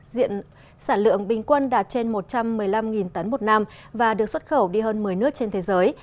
diện sản lượng bình quân đạt trên một trăm một mươi năm tấn một năm và được xuất khẩu đi hơn một mươi nước trên thế giới